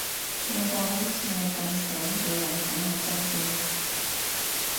有個好似你咁醒嘅人喺我身邊